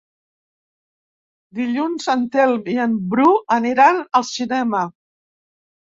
Dilluns en Telm i en Bru aniran al cinema.